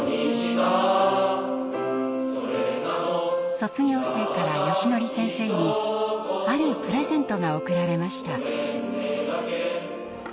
卒業生からよしのり先生にあるプレゼントが贈られました。